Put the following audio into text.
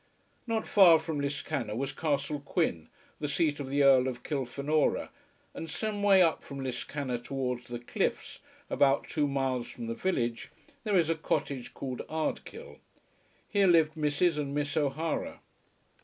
Not far from Liscannor was Castle Quin, the seat of the Earl of Kilfenora; and some way up from Liscannor towards the cliffs, about two miles from the village, there is a cottage called Ardkill. Here lived Mrs. and Miss O'Hara.